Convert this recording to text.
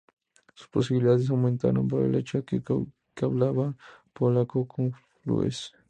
Sus posibilidades aumentaron por el hecho de que hablaba polaco con fluidez.